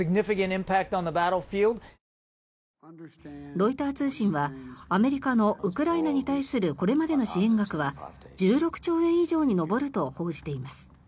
ロイター通信はアメリカのウクライナに対するこれまでの支援額は１６兆円以上に上ると報じています。